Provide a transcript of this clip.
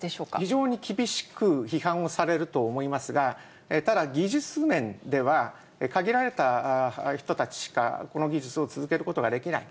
非常に厳しく批判をされると思いますが、ただ、技術面では、限られた人たちしかこの技術を続けることができない。